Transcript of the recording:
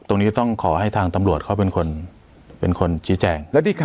ตรงนี้ต้องขอให้ทางตำรวจเขาเป็นคนเป็นคนชี้แจง